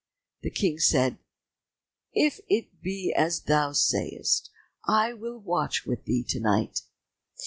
The King said, "If it be as thou sayest, I will watch with thee to night."